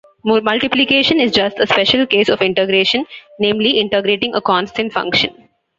Multiplication is just a special case of integration, namely integrating a constant function.